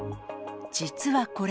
実はこれ。